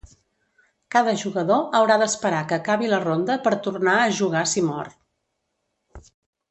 Cada jugador haurà d'esperar que acabi la ronda per tornar a jugar si mor.